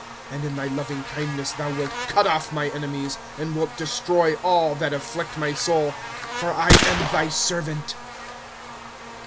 12 And in thy loving kindness thou wilt cut off my enemies. And wilt destroy all that afflict my soul ; For I am thy servant.